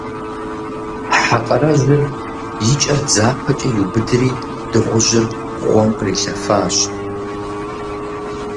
Хьэ къэрэжыр и кӏэр дзапэкӏэ иубыдри, дыгъужьыр гъуэм кърилъэфащ.